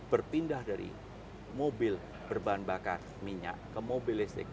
berpindah dari mobil berbahan bakar minyak ke mobil listrik